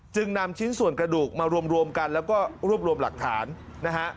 นำชิ้นส่วนกระดูกมารวมกันแล้วก็รวบรวมหลักฐานนะฮะ